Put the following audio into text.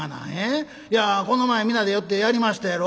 いやこの前皆で寄ってやりましたやろ。